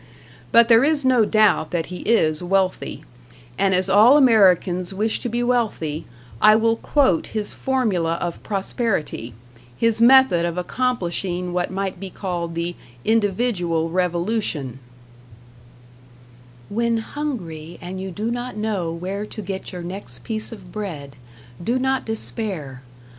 But there is no doubt that he is wealthy; and as all Americans wish to be wealthy, I will quote his formula of prosperity, his method of accomplishing what might be called the Individual Revolution: When hungry and you do not know where to get your next piece of bread, do not despair.